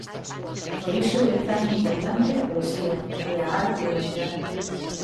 Por iso é tan importante a poesía, e a arte en xeral.